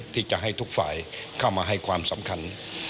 ที่จะให้ทุกฝ่ายเข้ามาให้ความสำคัญ